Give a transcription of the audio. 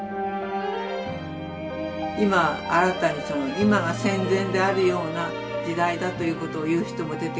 今新たに今が戦前であるような時代だということを言う人も出てきて。